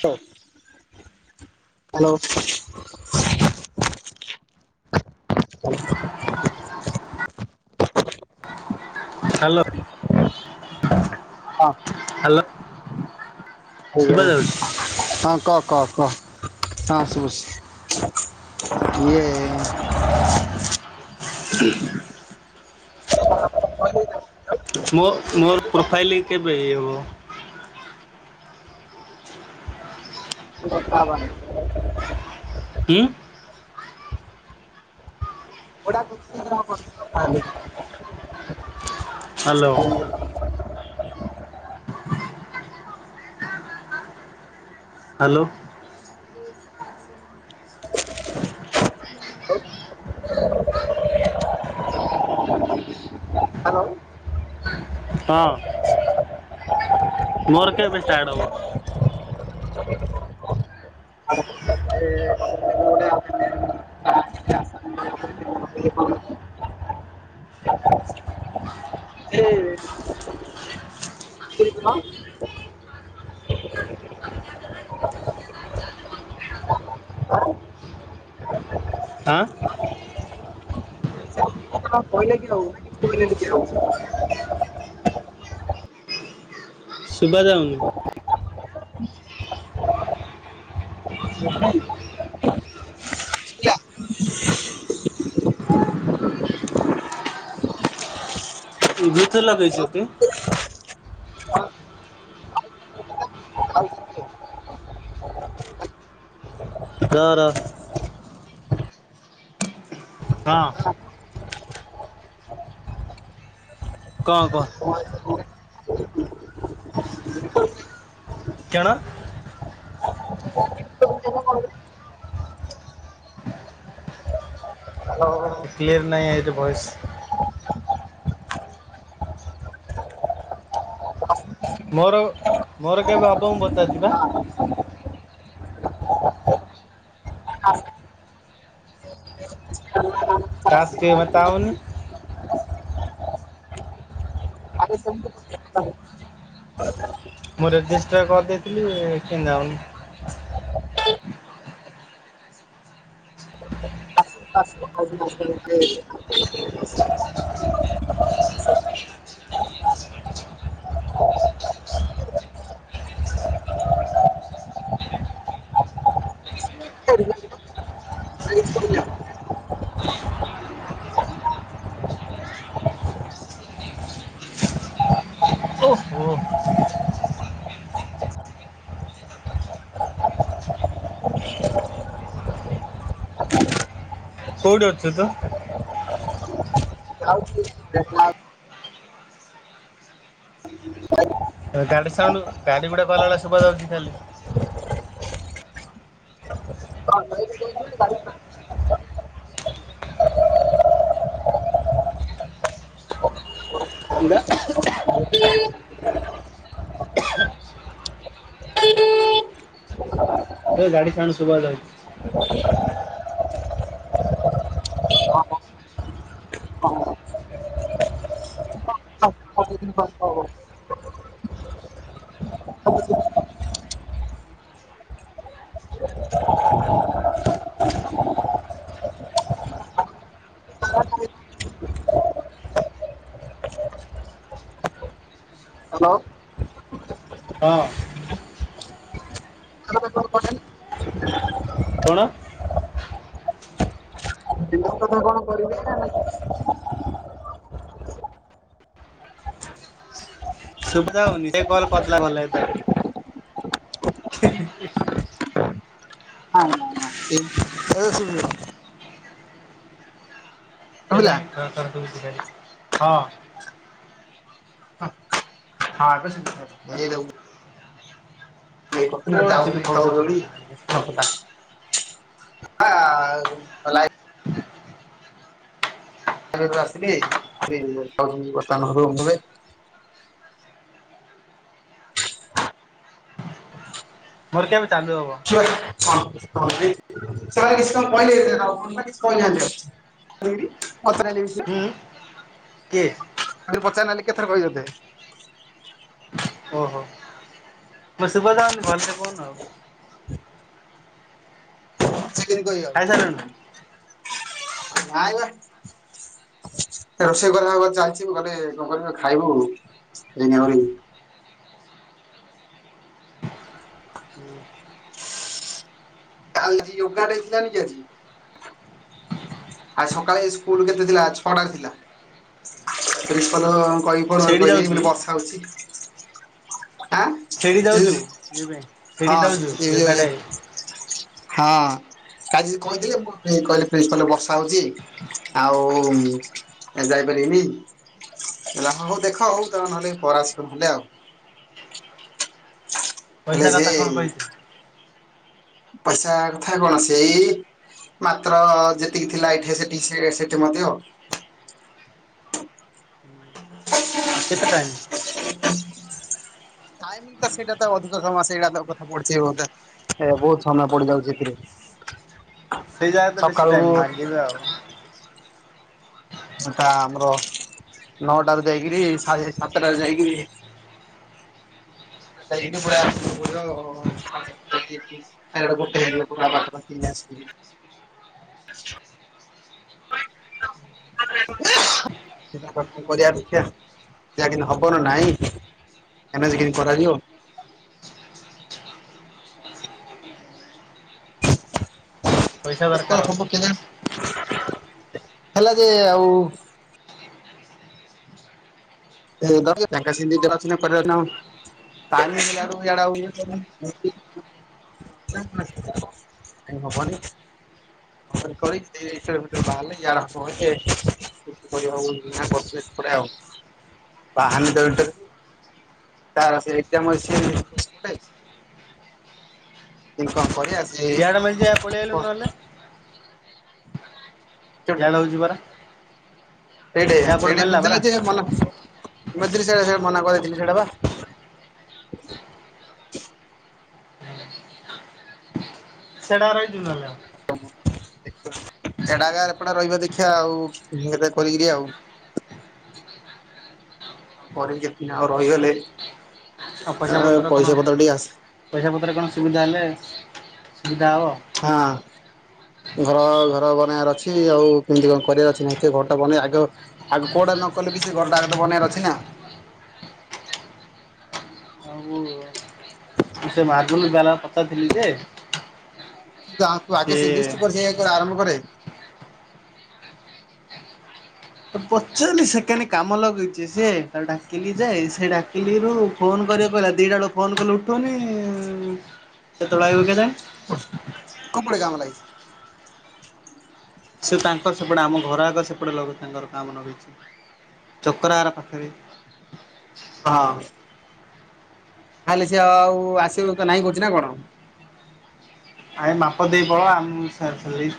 ତ। Hello. [inaudible] Hello. ହଁ। Hello. Shubha ଯାଉଛି ହଁ କ କ କ। ହଁ କହୁଚି ଇଏ [unintelligible] [unintelligible] ମୋ ମୋର ପ୍ରୋଫାଇଲ କେବେ ଇ ହବ? ପଥାବନ। ଉଁ। [unintelligible] ହ୍ୟାଲୋ। ହ୍ୟାଲୋ। ହଁ। ମୋର କେବେ ଷ୍ଟାର୍ଟ ହବ? ଆଁ। କଣ କହିଲେ କି ଆଉ ନା କିଛି କହିଲେ ନି କିଏ ଆଉ? ଶୁବା ଯାଉନି। [inaudible] ଏଇ ବ୍ଲୁଥ ଲଗେଇଛ କି? ର ର। ହଁ। କଣ କହ। [unintelligible] କିଅଣ। [unintelligible] କ୍ଲିୟର ନାଇ ଏଇ ଭଏସ। ମୋର ମୋର କେବେ ହବ ମୁଁ ପଚାରଚିବା। [inaudible] ଟାସ୍କ ଟିକେ ବିତା ଉନି। ଆଗେ ସେମତି [unintelligible] [unintelligible] ମୁଁ ରେଜିେଷ୍ଟର କରିଦେଇଥିଲି କେନ୍ ଯାଉନି। [unintelligible] ସେ ଓହୋ କୋଉଠି ଅଛତ? ଆଉ [unintelligible] ଆଚ୍ଛା [inaudible] ଗାଡି ସାଉଣ୍ଡ ଗାଡି ଗୁଡା କହିଲାବେଳେ ଶୁବା ଯାଉଛି ଖାଲି। ସେମାନେ କଣ୍ଟା। ସେ ଗାଡି ସାଉଣ୍ଡ ସୁବା ଯାଉଚି। ହ ହଁ। କ [inaudible] କଣ? କଣ କରିବେ ନାଇଁ? ସୁବିଧା ହଉନି ସେ କଲ କରିଦେଲା ଭଲ ହେଥାନ୍ତା। ହ ହଁ ହଁ ହଁ। କେ ସୁବ [inaudible] ସେଟାହିଁ ଖର ଖର ଶୁଭୁଚି ଖାଲି ହଁ। ହଁ ଏବେ ସୁବୁଥାଏ ଏ ଦବୁ। କୋଉଠି ଥିଲି ତ ଫଡ୍ ଫଡ୍ ଶୁଭୁଥିଲା ଖାଲି। ଦ [inaudible] ଭଲ [inaudible] ଖାଇବାକୁ ଆସିଲି ସେ ବର୍ତ୍ତମାନ ବର୍ତ୍ତମାନ ରୁମରେ। ମୋର କେବେ ଚାଲୁ ହବ? ହଁ [inaudible] ହ [inaudible] ସେମାନେ କିଛିତ କହିଲେନି କଣନାଁ କିଛି କହିନାହାନ୍ତି ଆଉ? ହୁଁ କିଏ? ଆଉରି ପଚାରି ନାହାନ୍ତି କେତଥର କହିିବି ତତେ। ଓହୋ। ମୁଁ ଶୁଭା ଯାଉନି ଭଲସେ କହୁନୁ ଆଉ। ଚିକେନ୍ କରିବା ଆଉ। ଖାଇସାରିଲୁଣୁ ନଇବେ। ଏ ରୋଷେଇ କରିବା ପା ଚାଲିଛିି କଲେ କଣ କରିବୁ ନାଁ ଖାଇବୁ ଏଇନା ଆଉ ଆଜି ୟୋଗା ଡେ ଥିଲା ଜାଣିଚୁ ଆଜି? ଆଜି ସକାଳେ ସ୍କୁଲ କେତେ ଥିଲା ଛଅଟା ଥିଲା ପ୍ରିନ୍ପାଲ ସେଇଠି କହିକି ଯାଉଚି [inaudible] କହିଦେଲି ମୁଁ କହିଲି ବର୍ଷା ସେଇଠି ଯାଉଚୁ ହଉଛି। ଇଏ ପାଇଁ ଆଁ ସେଇଠି ହଁ ଯାଉଚୁ ସେ ଯୋଗାଡେ ଏ ଯଛି [unintelligible] ହଁ ଆଜି କହିଥିଲେ ମୋ [unintelligible] ବର୍ଷା ହଉଚି ଆଉ ମୁଁ ଯାଇପାରିବିନି। କହିଲେ ହଉ ହଉ ଦେଖ ହଉ ତମେ ନହଲେ ପରେ ଆସିବ ନହେଲେ ଆଉ। ହେଲେ ପଇସା କଥା କଣ ସେ କହିଛେ? ପଇସା କଥା କଣ ସେଇ ମାତ୍ର ଯେତିକି ଥିଲା ଏଠି ସେତିକି ସେ ସେଠି ମଧ୍ୟ। କେତେ ଟାଇମ୍? ଟାଇମ ତ ସେଇଟା ତ ଅଧିକ ସମୟ ସେଇଟା ତ କଥା ପଢୁଛି ବୋଧେ। ଏ ବହୁତ ସମୟ ପଡି ଯାଉଛି ଏଥିରେ। ସେଇ ଜାଏ ତ ବେଶୀ ସକାଳୁ ଟାଇମ ମାଗିବେ ଆଉ। ତା ଆମର ନଅଟାରୁ ଯାଇକିରି ସାଢ଼େ ସାତଟାରୁ ଯାଇକରି [unintelligible] ଆ ଗୋଟେ [inaudible] [inaudible] [unintelligible] ହବ ନା ନାଇଁ [inaudible] କେମିତି କରାଯିବ। ପଇସା ଦରକାର [inaudible] ହେଲା ଯେ ଆଉ। [unintelligible] କରିବା ନାଉ। ଟାଇମି [unintelligible] [inaudible] ହବନି? [inaudible] ପାହାନ [unintelligible] ତାର ସେ ଏକଜାମ ଅଛି [unintelligible] କେମିତି କ କରିବା ଇଆଡେ ମିଳିଯିବ ପଳେଇ ଆଇଲୁ ନହେଲେ ସେ? ୟଆଡେ ହେଉଛି ପରା। ୟା [unintelligible] କୋଉଠି ମିଳିଲା ପରା ସେଇଟା ବା। ସେଡ଼ାର ଏଇ ଜୁଲ [unintelligible] ରହିବା ଦେଖିବା ଆଉ [unintelligible] କରିକିରି ଆଉ। କରିକି [unintelligible] ଆଉ ରହିଗଲେ ଆଉ ପଇସା ଆ ପତ୍ର କଣ ପଇସା ପତ୍ର ଟିକେ ଆସେ ପଇସା ପତ୍ର କଣ ସୁବିଧା ହେଲେ ସୁବିଧା ହବ। ହଁ। ଘର ଘର ବନେଇବାର ଅଛି ଆଉ କେମିତି କଣ କରିବାର ଅଛି ନାଇ ଘର ଟା ବନେଇ ଆଗ ଆଗ କଉଟା ନ କଲେ ବି ସେ ଘରଟାଗ ତ ବନେଇବା ର ଅଛି ନା। [inaudible] ମୁଁ ସେ ମାଗୁନୀ ବାଲା ପଚାର ଥିଲି ଯେ। ସେ [unintelligible] ସେ ଆରଭ କରେ। ତ ପଚିଲି ସେକଣ୍ଡ କାମ ଲଗେଇଛି ସିଏ ତା ଡାକିଲି ଯାଏ ସେ ଡାକିଲିରୁ ଫୋନ କରିବାକୁ କହିଲା ଦିଟା ବେଳକୁ ଫୋନ୍ କଲେ ଉଠେଉ ନି ସେତେବେଳେ ଆଇିବ କେଜାଣି। [unintelligible] ସେ ତାଙ୍କର ସେପଟେ ଆମ ଘର ଆଗ ସେପଟେ ଲଗେବୁ ତାଙ୍କର। [inaudible] ଚକରାର ପାଖରେ। ହଁ। ତାହଲେ ସି ଆଉ ଆସିବ ତ ନାଇଁ କହୁଛି ନା କଣ? ଆ ମାପ ଦେଇ ପଳା [unintelligible] [unintelligible]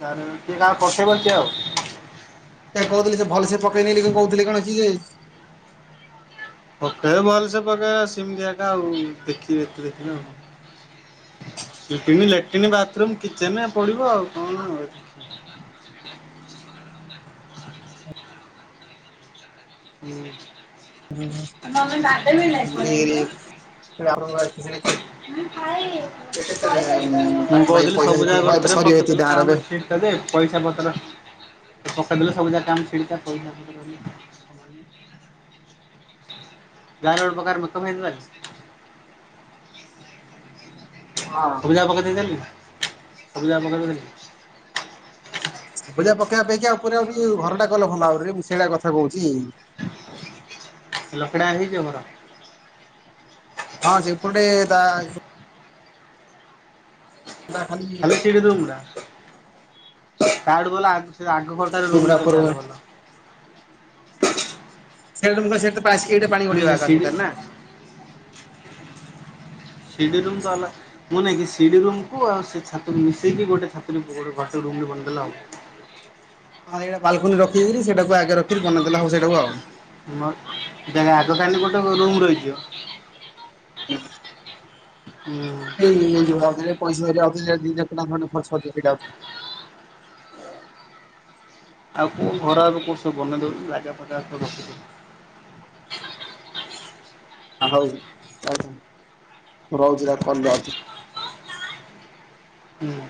କାହା ପଠେଇ ପାରୁଛ ଆଉ। ତା କହୁଥିଲ ସେ ଭଲ ସେ ପକେଇ ନେଲି କଣ କହୁଥିଲୁ କଣ କି? ପକେଇବା ଭଲସେ ପକେଇବା ସେମିତିଆ କା ଆଉ ଦେଖିବ ଏତେ ଦେଖିନ ଆଉ। [inaudible] ଲାଟ୍ରନ୍ ବାଥରୁମ କିଚେନ ପଡିବ ଆଉ କଣ ଆଉ। ହୁଁ। ମମି ବାଡେଇବେନି ଏପଟେ [unintelligible] ମୁଁ ପାଖାପାଖି କହୁଥିଲି ପଇସା ସବୁ ସେତିକି ଜାଗ ହଁ ଏବେ କରିଥିଲେ ସରିବ ଏତିକି ପକେଇଥିଲେ ଟଙ୍କାର ଏବେ କାମ ଅଛି ତବେ ପଇସା ପତ୍ର ପକେଇଦେଲେ ସବୁ ଜା କାମ ଛିଡ଼ିଜା ପଇସା ପତ୍ର ଗାରଲ ପ୍ରକାର ମତ ଭାଇରସ୍ ହଁ। ପଜା ପକେଇ ଦେଇଦଲି ସବୁଜା ପକେଇ ଦେଇଦେଲି। ଭୁଜା ପକେଇଆ ପାଇଁକା ଉପରେ ଆଉ ଟିକେ ଘର ଟା କଲ ଭଲ ଭାବରେ ମୁଁ ସେଇଟା କଥା କହୁଛି। ଲକ୍ଷେ ଟଙ୍କା ରେ ହେଇଯିବ ଘର? ହଁ ସେପଟେ ତା ତା ଖାଲି ତା ଠୁ ଭଲ ଆଗ ଆଘ ପଟ ରୁମ୍ ଗୁମୁଡା ଟା ହୁଅନ୍ତା ଉପରକୁ ଲେ ଭଲ। ସେଇଟୁ ମୁଁ କଇଲି ସେ ଏଇଟେ ପାଣି ଗଡିବା ଏକ ସିଡି ସେଇଟା ନା। ଶିଡି ରୁମ [unintelligible] ମୁଁ ନାଇକି ସିଢି ରୁମକୁୁ ଆଉ ସେ ଛାତ ମିଶେଇକି ଗୋଟେ ବଡ ରୁମ୍ ଟେ ବନେଇ ଦେଲେ ହବ ଆଉ। ହଁ ଏଇଟା ବାଲକୁନି ରଖିରି ସେଟାକୁ ଆଗରେ ରଖି ବନେଇ ଦେଲେ ହଉ ସେଟାକୁ ଆଉ। ମୋ ଜା ଆଗକାନିରେ ଗୋଟେ ରୁମ୍ ରହିଯିବ। ହ ହୁଁ। ଏଇ ମଝିରେ ପଇସା [unintelligible] ଖର୍ଇଟା ଆଉ କୋ ଘର କୋଣ ସବ ବନେଇ ଦଉଛି ଲାଗା ଫଜା ସବୁ ରଖିଦଉଛି ହଉ ରହୁଛି କିଲ ଆଉଛି। ହୁଁ।